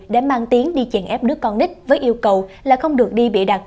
để mang tiếng đi chèn ép đứa con nít với yêu cầu là không được đi bịa đặt